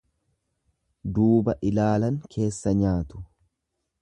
Duuba ilaalan keessa nyaatu.